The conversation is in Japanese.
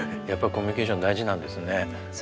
やっぱりコミュニケーション大事なんですね。